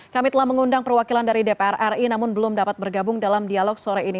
kami telah mengundang perwakilan dari dpr ri namun belum dapat bergabung dalam dialog sore ini